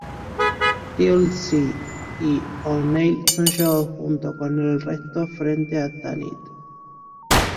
Teal'c y O'Neill son llevados junto con el resto frente a Tanith.